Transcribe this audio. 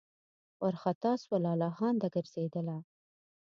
وارخطا سوه لالهانده ګرځېدله